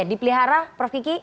dipelihara prof kiki